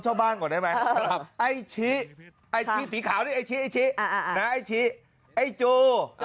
เช่าบ้านก่อนได้ไหมไอ้ชี้ไอ้ชี้สีขาวในไอ้ชี้ไอ้ชี้ไอ้จู